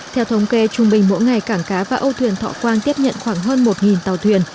theo thống kê trung bình mỗi ngày cảng cá và âu thuyền thọ quang tiếp nhận khoảng hơn một tàu thuyền